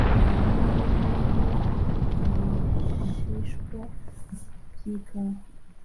Yamennyemo ibishishwa by’ikawa